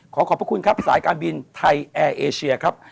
ขอขอบพระคุณครับสายการบินไทยแอร์เอเชียครับ